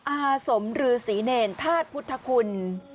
อาสมฤษีเนรธาตุพุทธคุณ